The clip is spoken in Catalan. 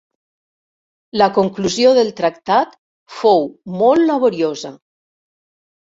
La conclusió del tractat fou molt laboriosa.